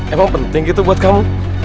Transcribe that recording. emang penting gitu buat kamu